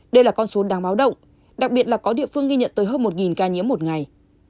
đây là con số đáng báo động đặc biệt là có địa phương ghi nhận tới hơn một ca nhiễm một ngày